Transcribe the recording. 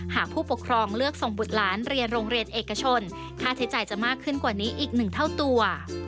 หากผู้ปกครองเลือกส่งบุตรหลานเรียนโรงเรียนเอกชนค่าใช้จ่ายจะมากขึ้นกว่านี้อีก๑เท่าตัว